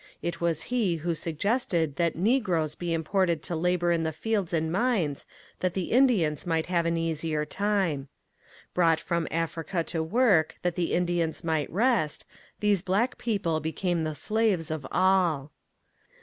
It was he who suggested that negroes be imported to labor in the fields and mines that the Indians might have an easier time. Brought from Africa to work that the Indians might rest, these black people became the slaves of all.